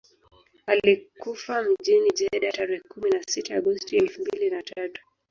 Alikufa mjini Jeddah tarehe kumi na sita Agosti elfu mbili na tatu